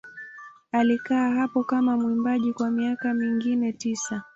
Alikaa hapo kama mwimbaji kwa miaka mingine tisa.